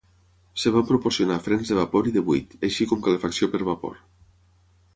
Es van proporcionar frens de vapor i de buit, així com calefacció per vapor.